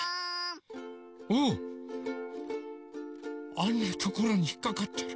あんなところにひっかかってる。